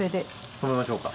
止めましょうか。